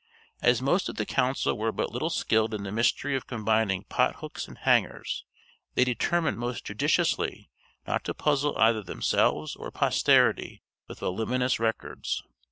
As most of the council were but little skilled in the mystery of combining pot hooks and hangers, they determined most judiciously not to puzzle either themselves or posterity with voluminous records.